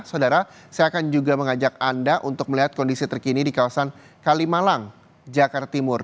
saudara saya akan juga mengajak anda untuk melihat kondisi terkini di kawasan kalimalang jakarta timur